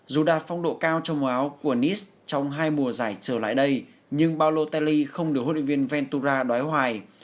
dù đã phong độ cao trong mùa áo của nice trong hai mùa giải trở lại đây nhưng balotelli không được huấn luyện viên ventura đoái hoài